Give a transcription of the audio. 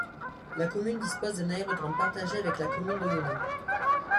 La commune dispose d'un aérodrome partagé avec la commune d'Oyonnax.